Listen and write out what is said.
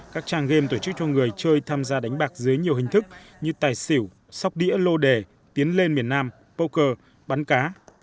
các trang game tổ chức cho người chơi tham gia đánh bạc dưới nhiều hình thức như tài xỉu sóc đĩa lô đề tiến lên miền nam poker bắn cá